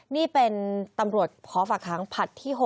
นี่เป็นตำรวจขอฝากหางผัดที่๖